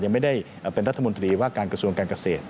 ยังไม่ได้เป็นรัฐมนตรีว่าการกระทรวงการเกษตร